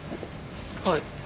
はい。